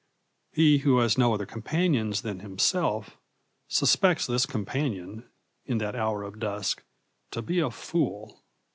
He who has no other companions than himself suspects this companion, in that hour of dusk, to be a fool.